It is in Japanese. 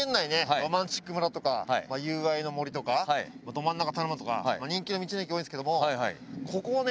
ろまんちっく村とか友愛の森とかどまんなかたぬまとか人気の道の駅多いんですけどもここはね